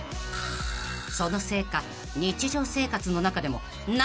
［そのせいか］